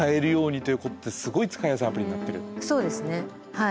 はい。